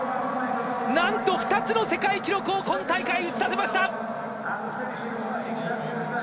なんと、２つの世界記録を今大会打ち立てました！